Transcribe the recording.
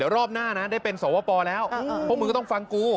ถ้าเป็นสวพปแล้วพวกมึงก็ต้องฟังกู